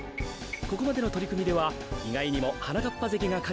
ここまでのとりくみではいがいにもはなかっぱぜきがかちすすみ